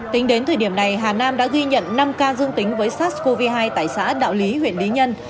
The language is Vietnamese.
tính đến thời điểm này hà nam đã ghi nhận năm ca dương tính với sars cov hai tại xã đạo lý huyện lý nhân